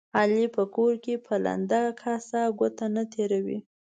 علي په کور کې په لنده کاسه ګوته نه تېروي.